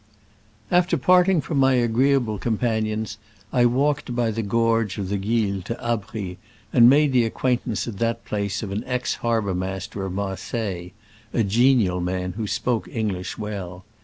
After parting from my agreeable com panions, I walked by the gorge of the Guil to Abries, and made the acquaint ance at that place of an ex harbormas ter of Marseilles — a genial man, who spoke English well.